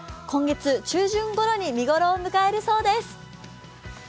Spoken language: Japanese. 今月中旬ごろに見頃を迎えるそうです。